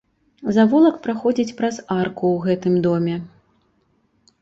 Завулак праходзіць праз арку ў гэтым доме.